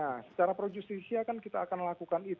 nah secara projustisia kan kita akan melakukan